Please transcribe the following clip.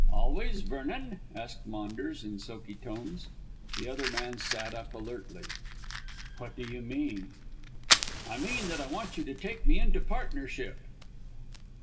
"Always Vernon?" asked Maunders in silky tones. The other man sat up alertly. "What do you mean?" "I mean that I want you to take me into partnership."